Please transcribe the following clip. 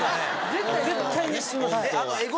・絶対にしてます